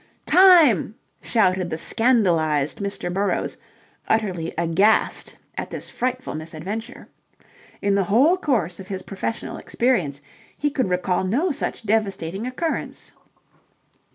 "Time!" shouted the scandalized Mr. Burrowes, utterly aghast at this frightful misadventure. In the whole course of his professional experience he could recall no such devastating occurrence.